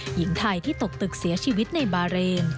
หญิงไทยที่ตกตึกเสียชีวิตในบาเรน